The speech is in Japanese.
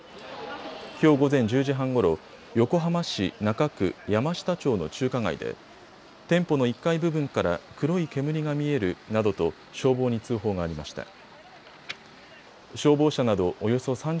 きょう午前１０時半ごろ、横浜市中区山下町の中華街で店舗の１階部分から黒い煙が見えるなどと消防に通報がありました。